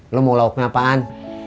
lo mau lauknya apaan